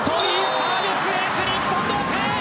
サービスエース、日本同点。